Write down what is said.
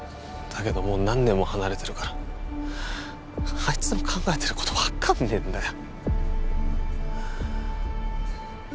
だけどもう何年も離れてるからあいつの考えてること分かんねえんだよ